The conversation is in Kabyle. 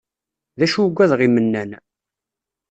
D acu ugadeɣ imennan.